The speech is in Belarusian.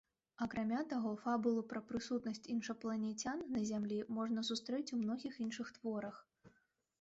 Акрамя таго, фабулу пра прысутнасць іншапланецян на зямлі можна сустрэць у многіх іншых творах.